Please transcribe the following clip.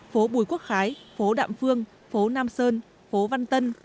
phố bùi quốc khái phố đạm phương phố nam sơn phố văn tân